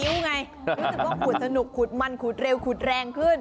ไงรู้สึกว่าขูดสนุกขูดมันขูดเร็วขุดแรงขึ้น